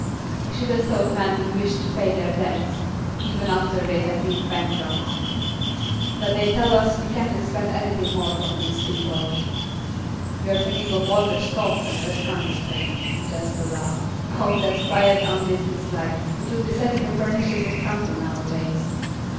I should have thought men would wish to pay their debts, even after they had been bankrupt; but they tell us we can't expect anything more from these people.' 'You are thinking of Walter Scott, and that kind of thing' Jasper laughed. 'Oh, that's quite unbusinesslike; it would be setting a pernicious example nowadays.